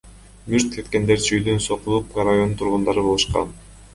Мүрт кеткендер Чүйдүн Сокулук районунун тургундары болушкан.